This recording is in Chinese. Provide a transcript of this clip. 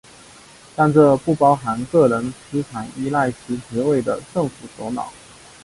但这不包含个人资产依赖其职位的政府首脑。